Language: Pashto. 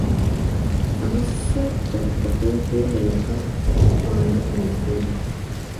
هغه سر تر پښو ټوله لکه پاڼه رېږدېده.